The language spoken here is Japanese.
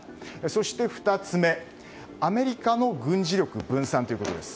そして２つ目、アメリカの軍事力分散ということです。